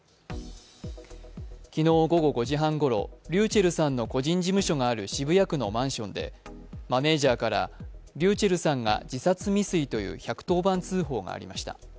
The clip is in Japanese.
昨日午後５時半ごろ、ｒｙｕｃｈｅｌｌさんの個人事務所がある渋谷区のマンションで、マネージャーからｒｙｕｃｈｅｌｌさんが自殺未遂という１１０番通報がありました。